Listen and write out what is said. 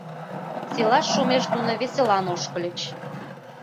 Селаш шумеш нуно веселан ошкыльыч.